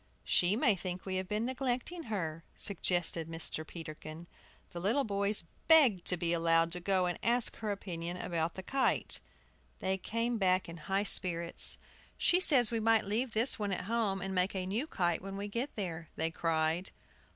"She may think we have been neglecting her," suggested Mr. Peterkin. The little boys begged to be allowed to go and ask her opinion about the kite. They came back in high spirits. "She says we might leave this one at home, and make a new kite when we get there," they cried.